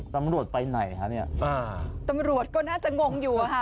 ตำรวจไปไหนฮะเนี่ยตำรวจก็น่าจะงงอยู่อะค่ะ